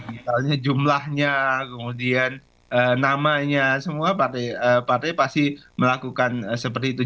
misalnya jumlahnya kemudian namanya semua partai pasti melakukan seperti itu